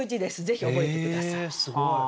ぜひ覚えて下さい。